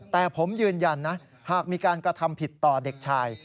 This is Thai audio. แต่ผมยืนยันนะหากมีการกระทำผิดต่อเด็กชาย